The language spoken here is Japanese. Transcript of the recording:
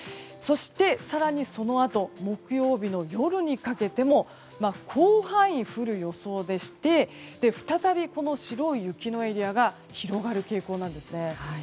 そして、更にそのあと木曜日の夜にかけても広範囲で降る予想でして再び、白い雪のエリアが広がる傾向なんですね。